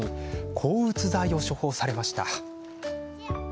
抗うつ剤を処方されました。